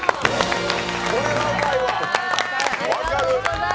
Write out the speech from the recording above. これはうまいわ、分かる！